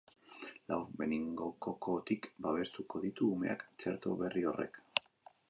Lau meningokokotik babestuko ditu umeak txerto berri horrek.